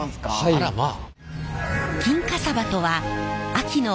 あらまあ。